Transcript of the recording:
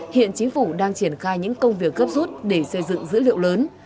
hiện chính phủ đang triển khai những công việc gấp rút để xây dựng dữ liệu lớn